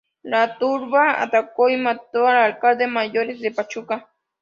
La turba atacó y mató al Alcalde Mayor de Pachuca.